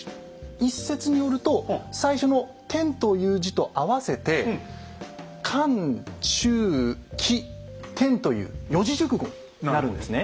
一説によると最初の「天」という字と合わせて「管中窺天」という四字熟語なるんですね。